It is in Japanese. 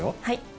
はい。